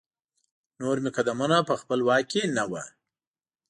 نور مې قدمونه په خپل واک کې نه وو.